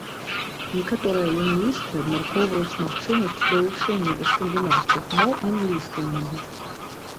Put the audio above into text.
Некаторыя лінгвісты абмяркоўваюць магчымасць далучэння да скандынаўскіх моў англійскай мовы.